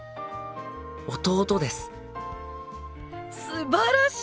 すばらしい！